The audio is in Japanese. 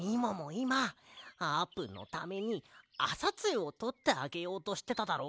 いまあーぷんのためにあさつゆをとってあげようとしてただろ？